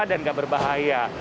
dan nggak berbahaya